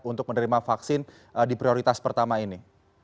untuk menerima vaksin di prioritas pertama ini